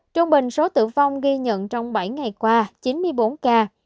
trung bình số tử vong ghi nhận trong bảy ngày qua chín mươi bốn ca